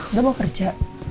udah mau kerja